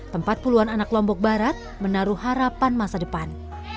tempat puluhan anak lombok barat menaruh harapan masa depan